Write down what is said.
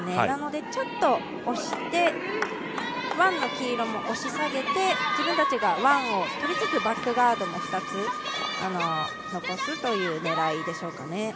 なのでちょっと押して、ワンの黄色も押し下げて自分たちがワンを取りつつ、バックガードも２つ残すという狙いでしょうかね。